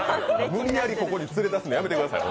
無理やりここに連れ出すのやめてください。